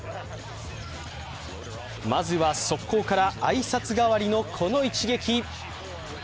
まずは速攻から、挨拶代わりのこの一撃。